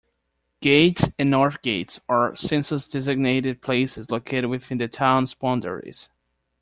Gates and North Gates are census-designated places located within the town's boundaries.